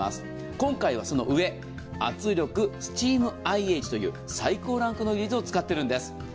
今回はその上、圧力とスチームＩＨという最高ランクの技術を使っているんです。